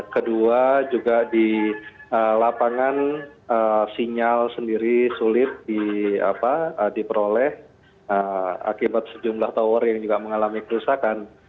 kedua juga di lapangan sinyal sendiri sulit diperoleh akibat sejumlah tower yang juga mengalami kerusakan